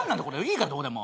いいからどうでも。